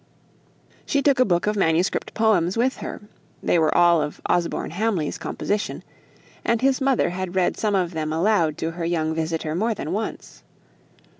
She took a book of MS. poems with her; they were all of Osborne Hamley's composition; and his mother had read some of them aloud to her young visitor more than once.